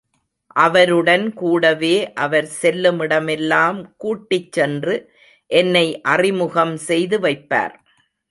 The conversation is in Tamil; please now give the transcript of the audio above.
அவருடன் கூடவே அவர் செல்லுமிடமெல்லாம் கூட்டிச் சென்று என்னை அறிமுகம் செய்து வைப்பார்.